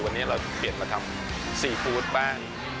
วันนี้เราเปลี่ยนมาทำซีฟู้ดบ้าง